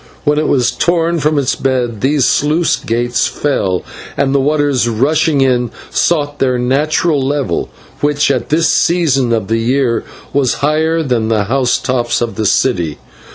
When it was torn from its bed these sluice gates were opened, and the waters, rushing in, sought their natural level, which at this season of the year was higher than the housetops of the city.